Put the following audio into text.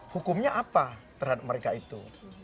hukumnya apa terhadap mereka itu